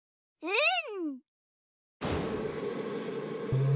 うん！